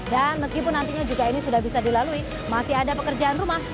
dan meskipun nantinya juga ini sudah bisa dilalui masih ada pekerjaan rumah